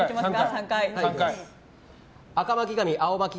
３回。